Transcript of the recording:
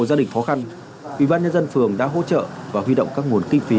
trang bị bình chữa cháy